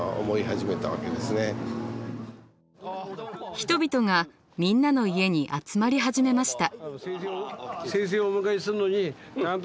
人々がみんなの家に集まり始めました。